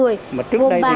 quỹ bán trưởng an